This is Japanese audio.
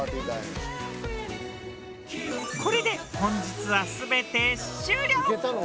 これで本日は全て終了！